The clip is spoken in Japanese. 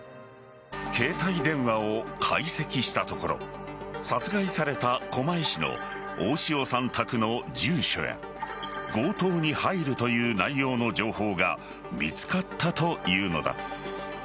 携帯電話を解析したところ殺害された狛江市の大塩さん宅の住所や強盗に入るという内容の情報が見つかったというのだ。